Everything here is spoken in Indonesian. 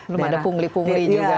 belum ada pungli pungli juga